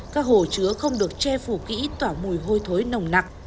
các hồ chứa không được che phủ kỹ tỏ mùi hôi thối nồng nặc